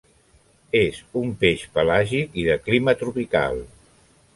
És un peix pelàgic i de clima tropical.